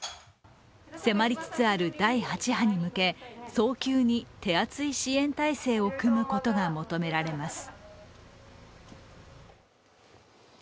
迫りつつある第８波に向け早急に手厚い支援体制を組むことが求められます。